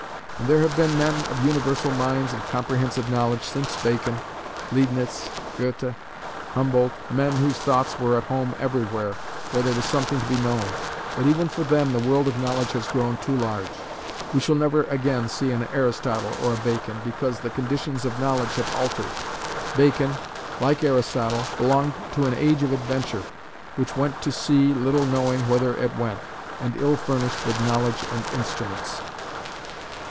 And there have been men of universal minds and comprehensive knowledge since Bacon, Leibnitz, Goethe, Humboldt, men whose thoughts were at home everywhere, where there was something to be known. But even for them the world of knowledge has grown too large. We shall never again see an Aristotle or a Bacon, because the conditions of knowledge have altered. Bacon, like Aristotle, belonged to an age of adventure, which went to sea little knowing whither it went, and ill furnished with knowledge and instruments.